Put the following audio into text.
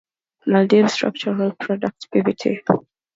Maldives Structural Products Pvt.